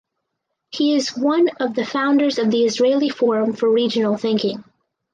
He is one of the founders of the Israeli Forum for Regional Thinking.